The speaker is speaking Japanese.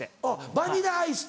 バニラアイスと？